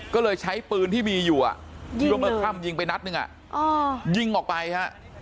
ก็เลยใช้ปืนที่มีอยู่อ่ะยิงไปนัดนึงอ่ะยิงออกไปฮะ